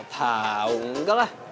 tau enggak lah